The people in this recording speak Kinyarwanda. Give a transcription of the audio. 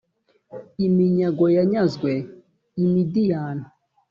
iminyago yanyazwe i midiyani